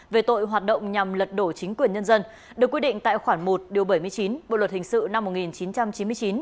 về tội hoạt động nhằm lật đổ chính quyền nhân dân được quy định tại khoản một điều bảy mươi chín bộ luật hình sự năm một nghìn chín trăm chín mươi chín